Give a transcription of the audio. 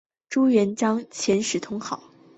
朱元璋遣使通好。